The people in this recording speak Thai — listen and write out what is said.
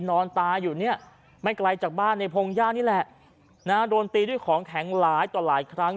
นอนตายอยู่เนี่ยไม่ไกลจากบ้านในพงหญ้านี่แหละโดนตีด้วยของแข็งหลายต่อหลายครั้ง